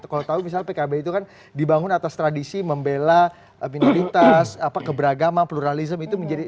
kalau tahu misalnya pkb itu kan dibangun atas tradisi membela minoritas keberagaman pluralism itu menjadi